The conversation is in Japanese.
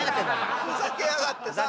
ふざけやがってさ。